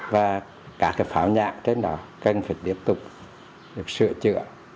và cả cái pháo nhạc trên đó cần phải tiếp tục được sửa chữa